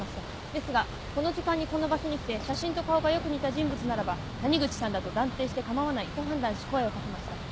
ですがこの時間にこの場所に来て写真と顔がよく似た人物ならば谷口さんだと断定して構わないと判断し声を掛けました。